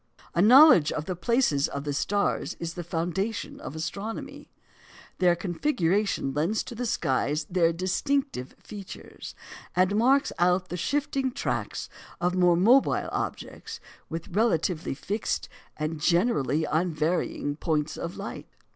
A knowledge of the places of the stars is the foundation of astronomy. Their configuration lends to the skies their distinctive features, and marks out the shifting tracks of more mobile objects with relatively fixed, and generally unvarying points of light.